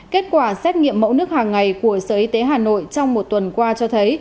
kết quả xét nghiệm mẫu nước hàng ngày của sở y tế hà nội trong một tuần qua cho thấy